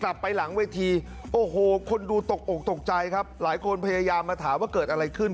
ไปหลังเวทีโอ้โหคนดูตกอกตกใจครับหลายคนพยายามมาถามว่าเกิดอะไรขึ้น